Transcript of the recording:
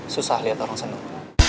susah liat orang seneng